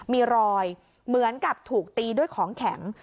มีรอยเหมือนกับถูกตีด้วยของแข็ง